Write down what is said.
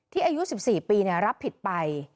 ที่อายุ๑๔ปีเนี่ยรับผิดไป